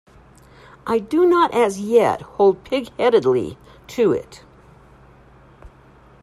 I do not as yet hold pigheadedly to it.